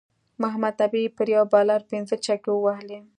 محمد نبی پر یو بالر پنځه چکی ووهلی